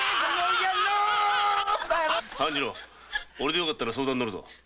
オレでよかったら相談に乗るぞ。